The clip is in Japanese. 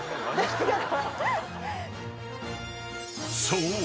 ［そう！